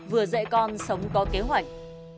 vừa dạy con sống có kế hoạch